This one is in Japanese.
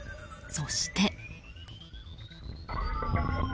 そして。